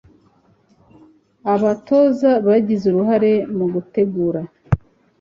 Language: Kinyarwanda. abatoza bagize uruhare mu gutegura